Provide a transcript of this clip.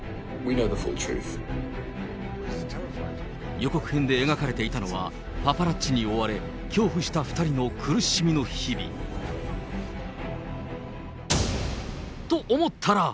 予告編で描かれていたのは、パパラッチに追われ、恐怖した２人の苦しみの日々。と思ったら。